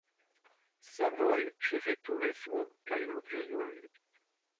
Servoj, ĉefe turismo, kaj loĝejoj.